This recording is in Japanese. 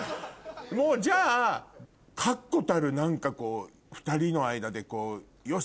もうじゃあ確固たる何か２人の間でよし！